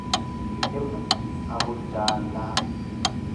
Cibra aburdaallaa